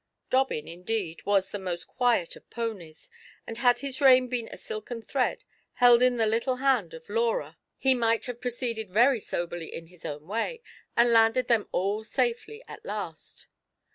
Dobbin, indeed, was the most quiet of ponies, and had his rein been a silken thread, held in the little hand of Laura, he might have proceeded very soberly in his own way, and landed them all safely at last.